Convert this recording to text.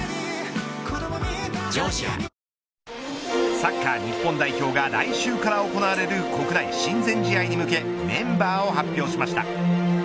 サッカー日本代表が来週から行われる国内親善試合に向けメンバーを発表しました。